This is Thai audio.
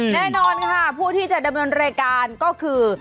แน่นอนค่ะผู้ที่จะดำเนินรายการก็คือ